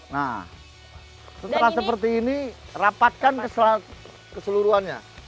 nah setelah seperti ini rapatkan keseluruhannya